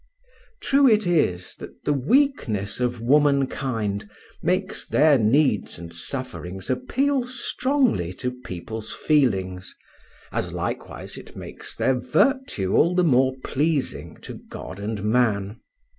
True it is that the weakness of womankind makes their needs and sufferings appeal strongly to people's feelings, as likewise it makes their virtue all the more pleasing to God and man.